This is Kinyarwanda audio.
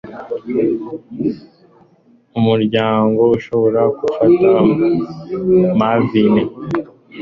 umuryango ushobora gufasha mavime